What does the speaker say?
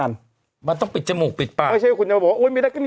กันมันต้องปิดจมูกปิดปากก็ใช่คุณจะบอกโอ้ยไม่ได้ก็นี่